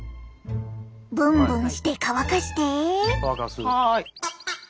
ブンブンして乾かして！